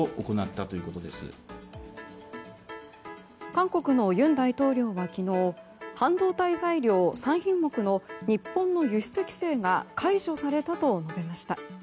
韓国の尹大統領は昨日半導体材料３品目の日本の輸出規制が解除されたと述べました。